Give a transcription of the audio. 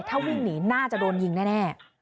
ถ้าวิ่งหนีน่าจะโดนยิงแน่